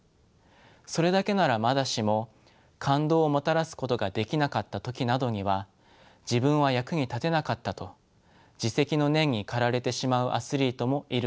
それだけならまだしも感動をもたらすことができなかった時などには「自分は役に立てなかった」と自責の念に駆られてしまうアスリートもいるかもしれません。